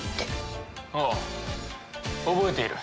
ああ覚えている。